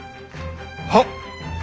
はっ！